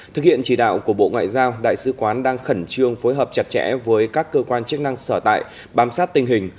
thực hiện chỉ đạo của bộ ngoại giao đại sứ quán đang khẩn trương phối hợp chặt chẽ với các cơ quan chức năng sở tại bám sát tình hình